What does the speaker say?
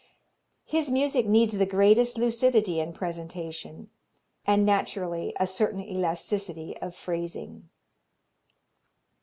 His music needs the greatest lucidity in presentation, and naturally a certain elasticity of phrasing.